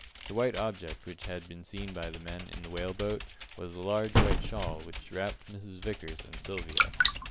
The white object which had been seen by the men in the whale boat was a large white shawl which wrapped Mrs. Vickers and Sylvia.